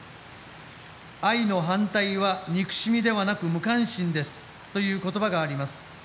「愛の反対は憎しみではなく無関心です」という言葉があります。